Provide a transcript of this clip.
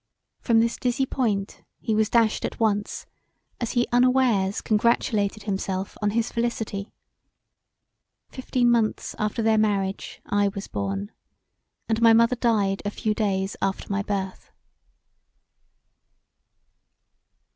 From this dizzy point he was dashed at once as he unawares congratulated himself on his felicity. Fifteen months after their marriage I was born, and my mother died a few days after my birth.